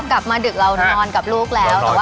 กลับมาดึกเรานอนกับลูกแล้ว